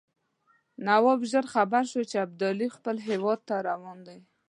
نواب ژر خبر شو چې ابدالي خپل هیواد ته روان دی.